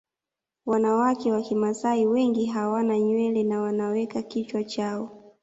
Wanawake wa Kimasai wengi hawana nywele na wanaweka kichwa chao